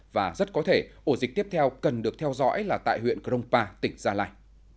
và rất có thể ổ dịch tiếp theo cần được theo dõi là tại huyện cronpa tỉnh gia lai